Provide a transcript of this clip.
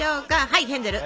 はいヘンゼル！